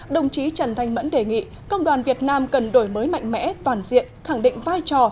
đồng chí trần thanh mẫn đề nghị công đoàn việt nam cần đổi mới mạnh mẽ toàn diện khẳng định vai trò